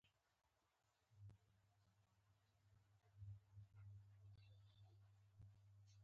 پښتانه میلمه پاله خلک دي